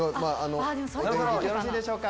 そろそろよろしいでしょうか？